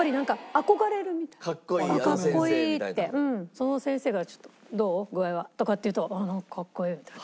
その先生が「どう？具合は」とかって言うと「あっなんかかっこいい」みたいな。